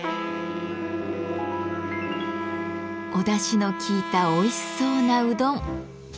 おだしのきいたおいしそうなうどん。